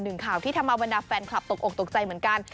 ข่าวที่ทำเอาบรรดาแฟนคลับตกอกตกใจเหมือนกัน